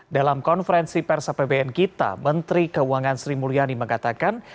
dalam konferensi pers apbn kita menteri keuangan sri mulyani mengatakan